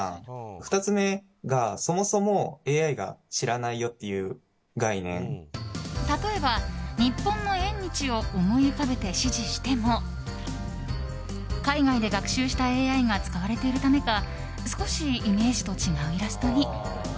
２つ目がそもそも例えば日本の縁日を思い浮かべて指示しても海外で学習したＡＩが使われているためか少しイメージと違うイラストに。